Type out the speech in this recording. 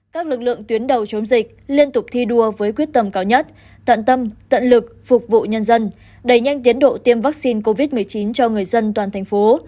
các lực lượng tuyến đầu chống dịch liên tục thi đua với quyết tâm cao nhất tận tâm tận lực phục vụ nhân dân đẩy nhanh tiến độ tiêm vaccine covid một mươi chín cho người dân toàn thành phố